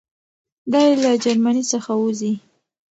دی له جرمني څخه وځي.